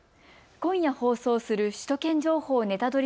今夜放送する首都圏情報ネタドリ！